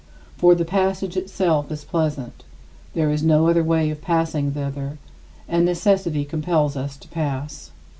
For the passage itself is pleasant; there is no other way of passing thither, and necessity compels us to pass.